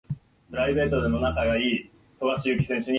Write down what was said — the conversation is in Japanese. ねるねるねるねの一の粉